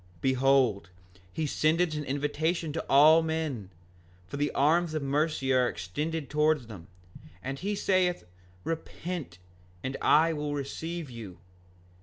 5:33 Behold, he sendeth an invitation unto all men, for the arms of mercy are extended towards them, and he saith: Repent, and I will receive you.